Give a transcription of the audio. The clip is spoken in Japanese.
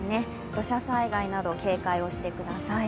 土砂災害など警戒をしてください。